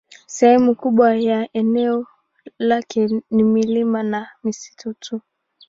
Sehemu kubwa ya eneo lake ni milima na misitu tu.